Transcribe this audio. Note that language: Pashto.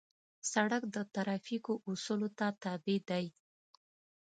سړک د ترافیکو اصولو ته تابع دی.